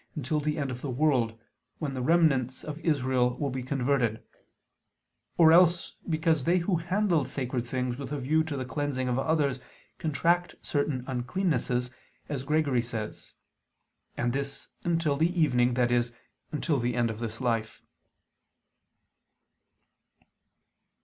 until the end of the world, when the remnants of Israel will be converted; or else because they who handle sacred things with a view to the cleansing of others contract certain uncleannesses, as Gregory says (Pastor. ii, 5); and this until the evening, i.e. until the end of this life.